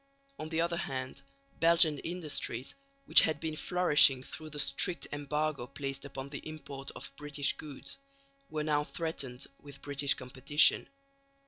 On the other hand, Belgian industries, which had been flourishing through the strict embargo placed upon the import of British goods, were now threatened with British competition.